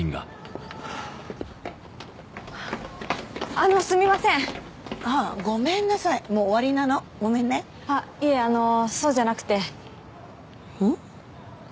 あのすみませんあっごめんなさいもう終わりなのごめんねあっいえあのそうじゃなくてん？